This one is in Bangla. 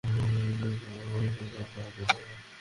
মা, অনেক বেশী খেয়ে ফেলেছি, পেট ভরে গেছে।